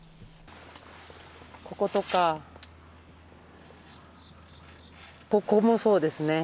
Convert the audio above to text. こことか、ここもそうですね。